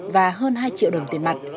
và hơn hai triệu đồng tiền mặt